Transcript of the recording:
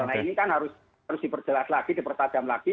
nah ini kan harus diperjelas lagi dipertadam lagi